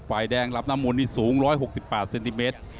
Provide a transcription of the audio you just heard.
ฝ่ายแดงรับน้ำมนต์นี่สูง๑๖๘เซนติเมตร